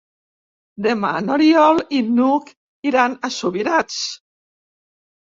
Demà n'Oriol i n'Hug iran a Subirats.